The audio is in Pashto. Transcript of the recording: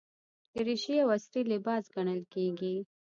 دریشي یو عصري لباس ګڼل کېږي.